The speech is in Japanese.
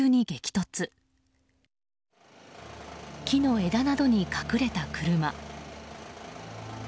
木の枝などに隠れた車。